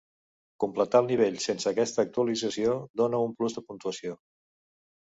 Completar el nivell sense aquesta actualització dona un plus de puntuació.